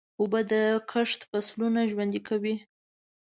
اوبه د کښت فصلونه ژوندي کوي.